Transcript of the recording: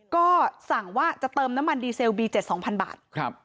ก็สั่งว่าจะเติมน้ำมันดีเซลบี๗๒๐๐บาท